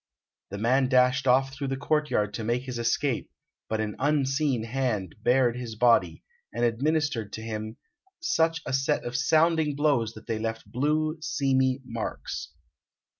The man dashed off through the courtyard to make his escape, but an unseen hand bared his body, and administered to him such a set of sounding blows that they left blue, seamy marks.